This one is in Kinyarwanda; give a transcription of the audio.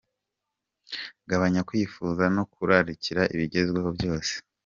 Gabanya kwifuza no kurarikira ibigezweho byose.